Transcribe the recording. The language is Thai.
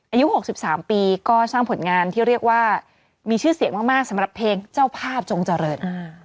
อายุ๖๓ปีก็สร้างผลงานที่เรียกว่ามีชื่อเสียงมากสำหรับเพลงเจ้าภาพจงเจริญ